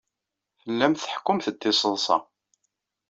Tellamt tḥekkumt-d tiseḍsa.